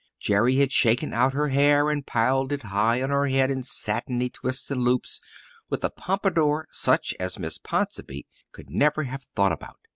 Jerry had shaken out her hair and piled it high on her head in satiny twists and loops, with a pompadour such as Miss Ponsonby could never have thought about.